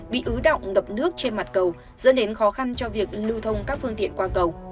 bị ứ động ngập nước trên mặt cầu dẫn đến khó khăn cho việc lưu thông các phương tiện qua cầu